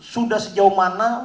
sudah sejauh mana